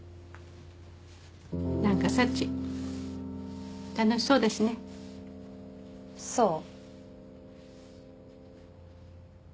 なんかサチ楽しそうだしねそう？